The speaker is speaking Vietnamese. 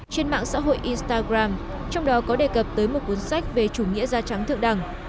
trên mạng xã hội instagram trong đó có đề cập tới một cuốn sách về chủ nghĩa da trắng thượng đẳng